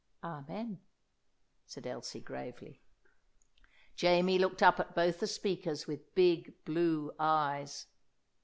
'" "Amen," said Elsie gravely. Jamie looked up at both the speakers with big blue eyes.